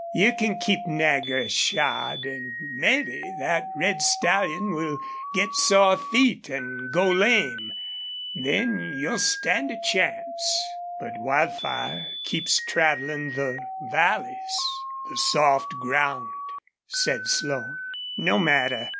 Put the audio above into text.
You can keep Nagger shod. An' MEBBE thet red stallion will get sore feet an' go lame. Then you'd stand a chance." "But Wildfire keeps travelin' the valleys the soft ground," said Slone. "No matter.